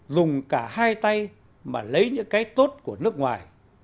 dùng cả hai tay mà lấy những cái tốt của nước ngoài